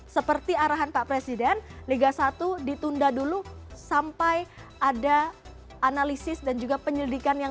seperti arahan pak presiden liga satu ditunda dulu sampai ada analisis dan juga penyelidikan yang